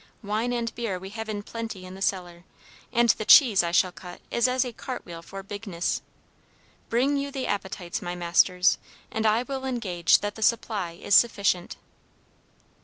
Wine and beer we have in plenty in the cellar, and the cheese I shall cut is as a cartwheel for bigness. Bring you the appetites, my masters, and I will engage that the supply is sufficient."